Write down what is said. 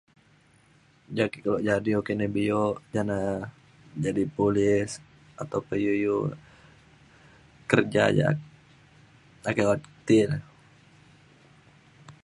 ja ake keluk jadi oka ake kenai biuk jane jadi polis atau pe iu iu kerja jak ake obak ti ne.